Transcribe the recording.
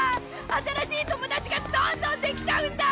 新しい友達がどんどんできちゃうんだ！